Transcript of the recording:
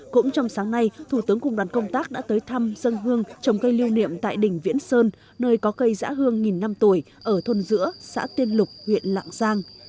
cũng trong sáng nay thủ tướng cùng đoàn công tác đã tới thăm dân hương trồng cây lưu niệm tại đỉnh viễn sơn nơi có cây giã hương nghìn năm tuổi ở thôn giữa xã tiên lục huyện lạng giang